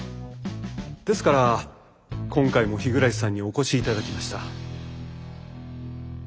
ですから今回も日暮さんにお越し頂きました。